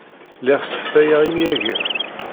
Lliɣ sseftayeɣ imyagen.